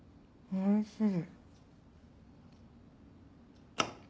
おいしい。